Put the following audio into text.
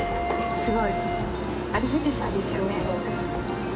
すごい！あれ富士山ですよね。